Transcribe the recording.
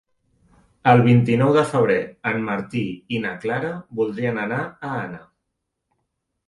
El vint-i-nou de febrer en Martí i na Clara voldrien anar a Anna.